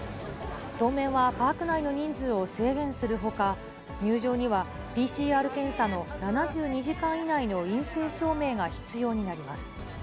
当面はパーク内の人数を制限するほか、入場にはＰＣＲ検査の７２時間以内の陰性証明が必要になります。